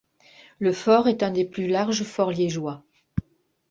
Le fort est un des plus larges forts liégeois.